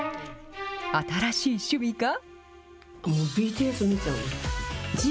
新しい趣味が。